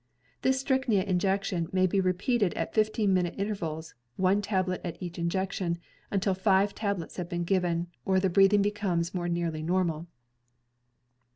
This strychnia injection may be repeated at fifteen minute intervals — one tablet at each injection until five tablets have been given, or the breath ing becomes more nearly normal.